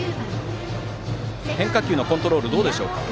変化球のコントロールどうですか？